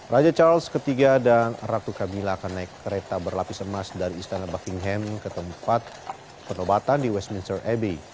raja charles iii dan ratu cabilla akan naik kereta berlapis emas dari istana buckingham ke tempat penobatan di westminster abbey